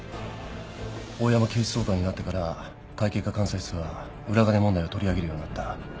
大山警視総監になってから会計課監査室が裏金問題を取り上げるようになった。